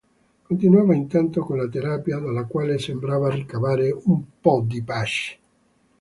Continuava intanto con la terapia, dalla quale sembrava ricavare un po' di pace.